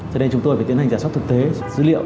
cho nên chúng tôi phải tiến hành giả soát thực tế dữ liệu